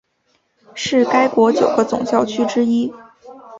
是该国九个总教区之一。